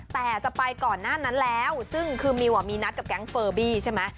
แต่จะไปก่อนหน้านั้นแล้วซึ่งคือมิวมีนัดกับแก๊งเฟอร์บี้ใช่ไหม